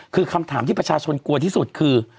คือคำถามที่ประชาชนกลัวที่สุดคือ